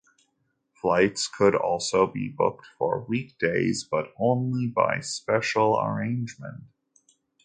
Flights could also be booked for weekdays, but only by special arrangement.